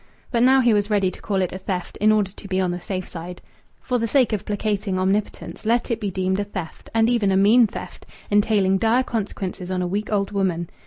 But now he was ready to call it a theft, in order to be on the safe side. For the sake of placating Omnipotence let it be deemed a theft, and even a mean theft, entailing dire consequences on a weak old woman!